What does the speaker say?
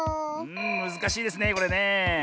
むずかしいですねこれねえ。